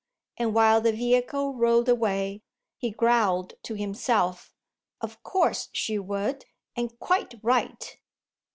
And while the vehicle rolled away he growled to himself: "Of course she would and quite right!"